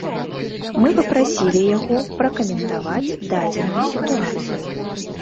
Мы папрасілі яго пракаментаваць дадзеную сітуацыю.